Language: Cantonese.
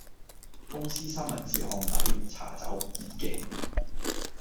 公司三文治烘底，茶走，熱嘅